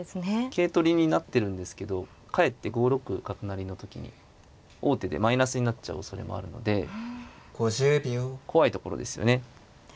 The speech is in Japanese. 桂取りになってるんですけどかえって５六角成の時に王手でマイナスになっちゃうおそれもあるので怖いところですよね。